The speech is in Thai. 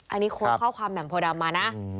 อันนี้โค้กข้อความแหม่มโพดำมานะ